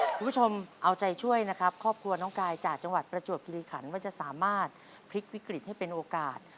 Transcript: คุณผู้ชมเอาใจช่วยนะครับครอบครัวน้องกายจากจังหวัดประจวบคิริขันว่าจะสามารถพลิกวิกฤตให้เป็นโอกาส